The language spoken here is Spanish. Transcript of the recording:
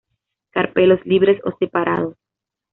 Carpelos libres o separados.